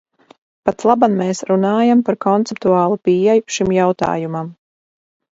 Patlaban mēs runājam par konceptuālu pieeju šim jautājumam.